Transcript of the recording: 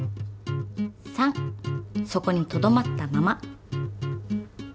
３そこにとどまったまま。